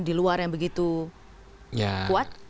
di luar yang begitu kuat